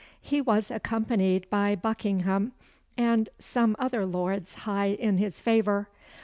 He was accompanied by Buckingham, and some other lords high in his favour.